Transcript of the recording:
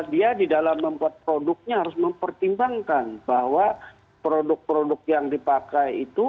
dia di dalam membuat produknya harus mempertimbangkan bahwa produk produk yang dipakai itu